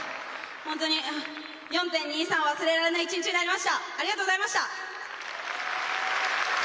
本当に、４・２３、忘れられない一日になりました。